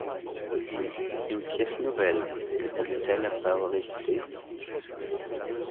Oui, une pièce nouvelle, répondit-elle après avoir hésité.